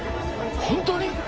本当に？